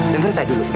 dengar saya dulu